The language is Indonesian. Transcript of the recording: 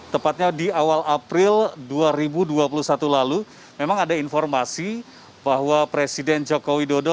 tepatnya di awal april dua ribu dua puluh satu lalu memang ada informasi bahwa presiden joko widodo